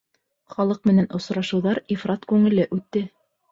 Халыҡ менән осрашыуҙар ифрат күңелле үтте.